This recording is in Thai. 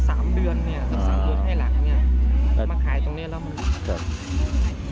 สัก๓เดือนไทยหลังเนี่ยก็มาขายตรงนี้แล้ว